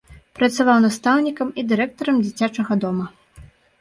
Працаваў настаўнікам і дырэктарам дзіцячага дома.